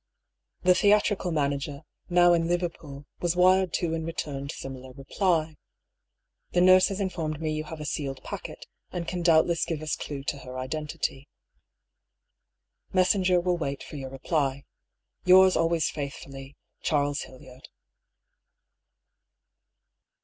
The theatrical manager, now in Liverpool, was wired to and re turned similar reply. The nurse has informed me you have a sealed packet, and can doubtless give us clue to her identity. Messenger will wait for your reply. " Yours always faithfully, " Chas. Hildyard."